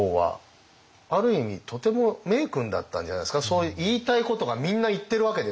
そういう言いたいことがみんな言ってるわけですよね。